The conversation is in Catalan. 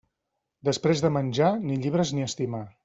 Després de menjar, ni llibres ni estimar.